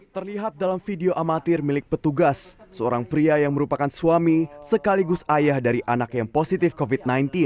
terlihat dalam video amatir milik petugas seorang pria yang merupakan suami sekaligus ayah dari anak yang positif covid sembilan belas